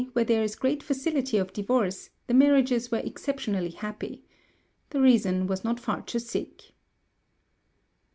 where there is great facility of divorce, the marriages were exceptionally happy. The reason was not far to seek.